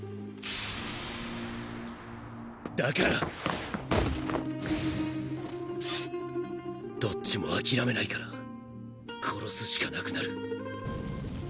だからどっちも諦めないから殺すしかなくなる。